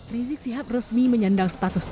rizik sihab resmi menyendang status tersebut